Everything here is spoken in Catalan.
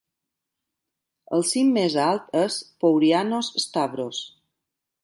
El cim més alt és "Pourianos Stavros".